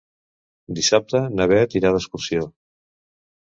Dissabte na Beth irà d'excursió.